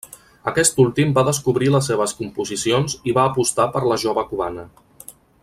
Aquest últim va descobrir les seves composicions i va apostar per la jove cubana.